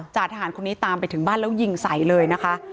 จ่าทหารคนนี้ตามไปถึงบ้านแล้วยิงใส่เลยนะคะ